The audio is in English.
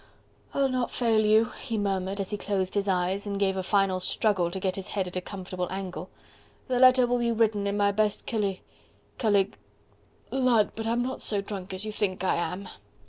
"I'll not fail you..." he murmured, as he closed his eyes, and gave a final struggle to get his head at a comfortable angle, "the letter will be written in my best cali... calig.... Lud! but I'm not so drunk as you think I am.